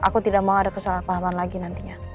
aku tidak mau ada kesalahpahaman lagi nantinya